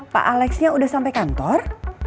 pak alexnya udah sampai kantor